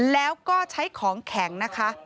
แล้วก็ใช้ของแข็งนะคะ